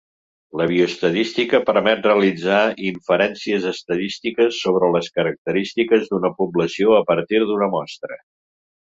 La bioestadística permet realitzar inferències estadístiques sobre les característiques d'una població a partir d'una mostra.